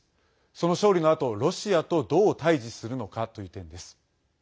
その勝利のあと、ロシアとどう対じするのかという点です。